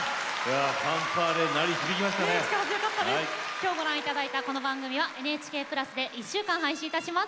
今日ご覧頂いたこの番組は「ＮＨＫプラス」で１週間配信いたします。